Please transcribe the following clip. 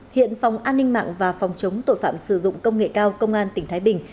hiện phòng an ninh mạng và phòng chống tội phạm sử dụng công nghệ cao công an tỉnh thái bình